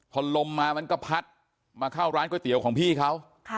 พอลมมามันก็พัดมาเข้าร้านก๋วยเตี๋ยวของพี่เขา